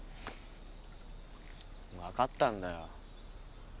分かったんだよ。